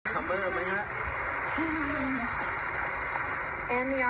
คำเบิร์ดไหมครับ